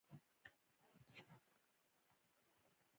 هغه غواړي زما څیړنیز کوچ په ګردجن کونج کې کیږدي